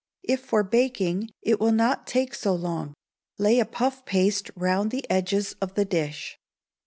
If for baking, it will not take so long. Lay a puff paste round the edges of the dish.